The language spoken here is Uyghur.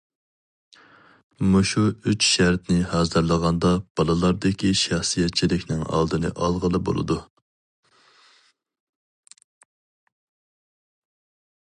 مۇشۇ ئۈچ شەرتنى ھازىرلىغاندا بالىلاردىكى شەخسىيەتچىلىكنىڭ ئالدىنى ئالغىلى بولىدۇ.